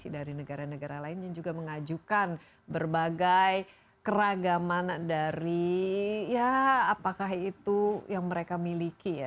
dan negara lain yang juga mengajukan berbagai keragaman dari ya apakah itu yang mereka miliki ya